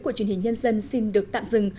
của chuyên hình nhân dân xin được tạm dừng